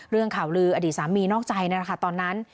เรื่องข่าวลืออดีตสามีนอกใจนั่นแหละค่ะตอนนั้น